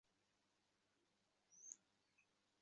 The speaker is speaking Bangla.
এই পোশাকে আমাকে দেখাবে ফানুস কাগজে ঢাকা কুপিবাতি।